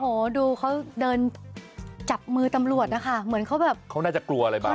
โอ้โหดูเขาเดินจับมือตำรวจนะคะเหมือนเขาแบบเขาน่าจะกลัวอะไรบ้าง